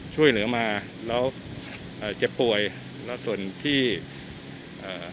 ช่วยเหลือมาแล้วอ่าเจ็บป่วยแล้วส่วนที่อ่า